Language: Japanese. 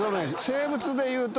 生物でいうと。